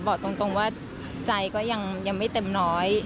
บอกตรงว่าใจก็ยังไม่เต็มร้อย